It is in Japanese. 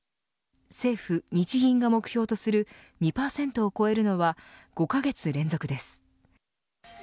政府、日銀が目標とする２％を超えるのは５カ月連続です。